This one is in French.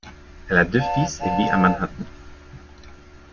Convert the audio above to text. Elle a deux fils et vit à Manhattan.